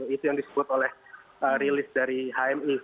itu yang disebut oleh rilis dari hmi